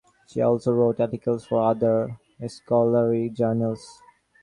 She also wrote articles for other scholarly journals.